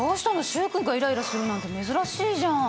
習君がイライラするなんて珍しいじゃん。